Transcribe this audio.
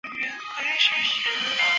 文耀找到阿毛和燕子误解。